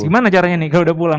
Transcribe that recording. gimana caranya nih kalau udah pulang